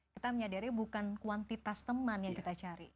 kita menyadari bukan kuantitas teman yang kita cari